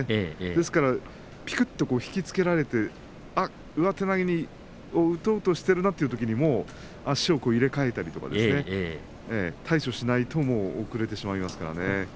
ですからぴくっと引き付けられてあ、上手投げを打とうとしているなというときに足を入れ替えたり対処しないともう遅れてしまいますからね。